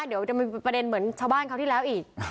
เดี๋ยวจะมีประเด็นเหมือนชาวบ้านเขาที่แล้วอีก